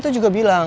terima kasih ratz